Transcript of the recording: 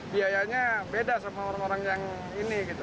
biayanya beda sama orang orang yang ini gitu